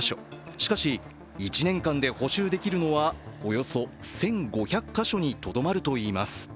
しかし、１年間で補修できるのはおよそ１５００か所にとどまるといいます。